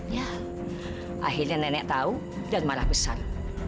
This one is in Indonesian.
ya akhirnya nenek tahu dan malah pesan